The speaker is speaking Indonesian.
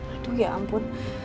aduh ya ampun